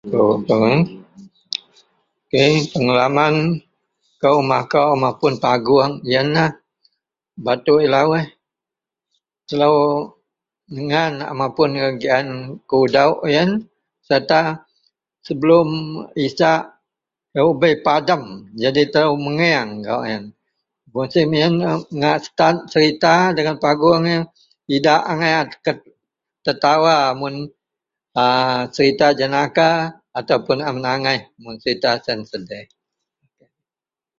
...(ko)..Pengalaman kou makau mapun panguong, ienlah batui lawuih telo nengan a mapun gak gian kudok, iyen serta sebelum isak bei padem, jadi telo mengeng kawak ien musim iyen ngak stat idak angai a tetawa mun a serita jenaka atau menangaih mun serita sedih.